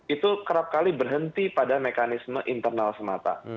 itu kerap kali berhenti pada mekanisme internal semata